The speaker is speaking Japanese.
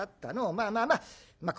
まあまあまあまあ